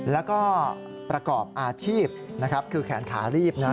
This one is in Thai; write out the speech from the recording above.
แล้วก็ประกอบอาชีพนะครับคือแขนขารีบนะ